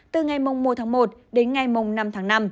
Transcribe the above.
từ ngày mông một tháng một đến ngày mông năm tháng năm